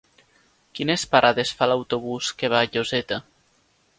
Quines parades fa l'autobús que va a Lloseta?